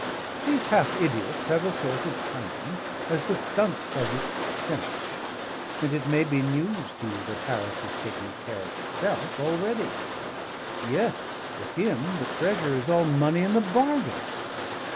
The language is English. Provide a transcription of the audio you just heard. These half idiots have a sort of cunning, as the skunk has its stench; and it may be news to you that Harris has taken care of himself already. Yes, for him the treasure is all money in the bargain.